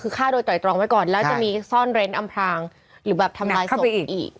คือฆ่าโดยไตรตรองไว้ก่อนแล้วจะมีซ่อนเร้นอำพลางหรือแบบทำร้ายศพอื่นอีก